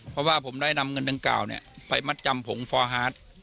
เพราะว่าผมได้นำเงินดังกล่าวไปมัดจำผงฟอร์ฮาร์ด